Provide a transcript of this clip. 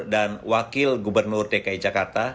sebagai kandidat calon wakil gubernur jakarta